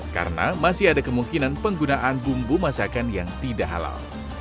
karena masih ada kemungkinan penggunaan bumbu masakan yang tidak halal